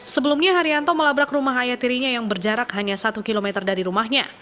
sebelumnya haryanto melabrak rumah hayatirinya yang berjarak hanya satu km dari rumahnya